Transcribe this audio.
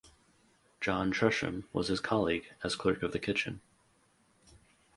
John Tresham was his colleague as clerk of the kitchen.